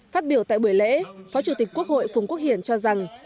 phát biểu tại buổi lễ phó chủ tịch quốc hội phùng quốc hiển cho rằng